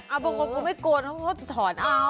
อ้าวผมก็ไม่โกนต้องที่จะถอนเอา